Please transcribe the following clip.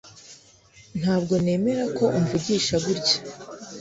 Ntabwo nemera ko umvugisha gutya